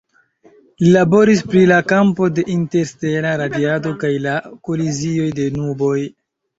Li laboris pri la kampo de interstela radiado kaj la kolizioj de nuboj.